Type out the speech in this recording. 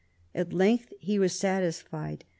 At length he was satisfied.